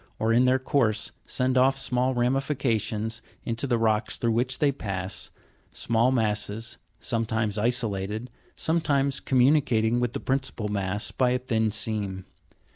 282), or in their course send off small ramifications (6) into the rocks through which they pass small masses (c), sometimes isolated, sometimes communicating with the principal mass by a thin seam.